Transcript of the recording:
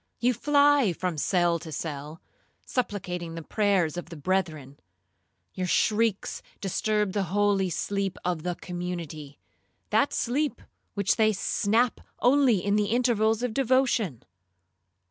You fly from cell to cell, supplicating the prayers of the brethren. Your shrieks disturb the holy sleep of the community—that sleep which they snatch only in the intervals of devotion.